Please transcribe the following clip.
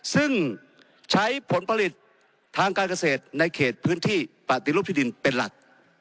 ซึ่งใช้ผลผลิตทางการเกษตรในเขตพื้นที่ปฏิรูปที่ดินเป็นหลัก